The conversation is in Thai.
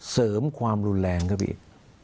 เสริมความรุนแรงครับพี่